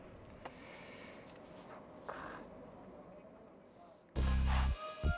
そっか。